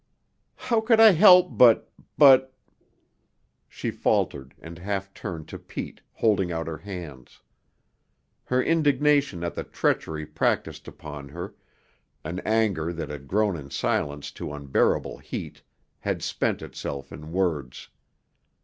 How could I help but but " She faltered and half turned to Pete, holding out her hands. Her indignation at the treachery practiced upon her, an anger that had grown in silence to unbearable heat, had spent itself in words.